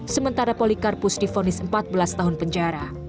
sementara polikarpus difonis empat belas tahun penjara